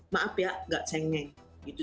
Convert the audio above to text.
maaf ya nggak cengeng gitu